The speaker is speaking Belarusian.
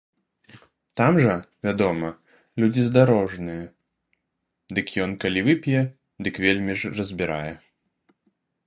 Там жа, вядома, людзі здарожаныя, дык ён калі вып'е, дык вельмі ж разбірае.